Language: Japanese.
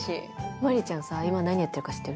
真里ちゃんさ今何やってるか知ってる？